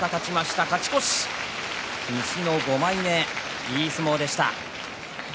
北の若、西の５枚目いい相撲でした。